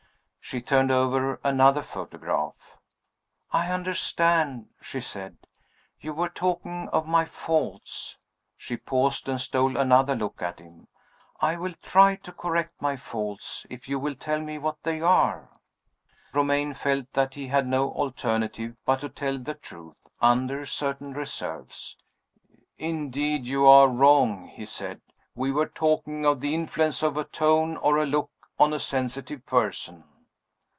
She turned over another photograph. "I understand," she said. "You were talking of my faults." She paused, and stole another look at him. "I will try to correct my faults, if you will tell me what they are." Romayne felt that he had no alternative but to tell the truth under certain reserves. "Indeed you are wrong," he said. "We were talking of the influence of a tone or a look on a sensitive person."